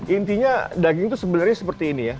intinya daging itu sebenarnya seperti ini ya